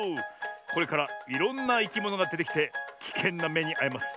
これからいろんないきものがでてきてきけんなめにあいます。